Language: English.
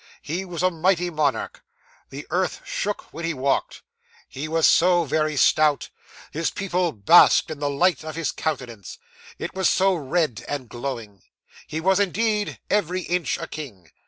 He was a mighty monarch. The earth shook when he walked he was so very stout. His people basked in the light of his countenance it was so red and glowing. He was, indeed, every inch a king.